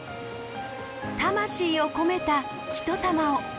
魂を込めた一玉を。